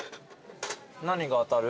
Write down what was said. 何が当たる？